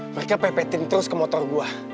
mereka pepetin terus ke motor gua